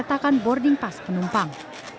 penceritakan boarding pass penumpang